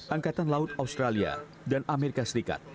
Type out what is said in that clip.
angkatan laut australia dan amerika serikat